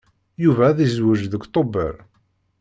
Yuba ad yezweǧ deg Tubeṛ.